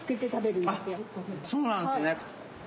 そうなんですね。